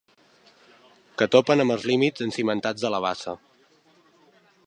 Que topen amb els límits encimentats de la bassa.